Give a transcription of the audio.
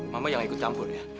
mama jangan ikut tampul ya